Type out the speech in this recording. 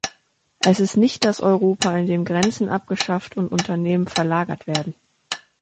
Es ist nicht das Europa, in dem Grenzen abgeschafft und Unternehmen verlagert werden.